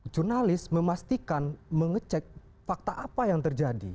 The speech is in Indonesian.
jurnalis memastikan mengecek fakta apa yang terjadi